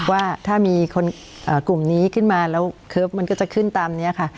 ว่าถ้ามีคนกลุ่มนี้ขึ้นมาแล้วเคิร์ฟมันก็จะขึ้นตามนี้ค่ะ